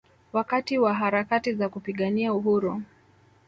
Wakati wa harakati za kupigania Uhuru